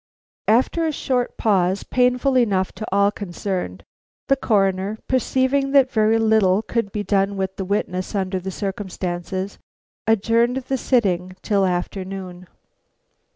After a short pause, painful enough to all concerned, the Coroner, perceiving that very little could be done with the witness under the circumstances, adjourned the sitting till afternoon.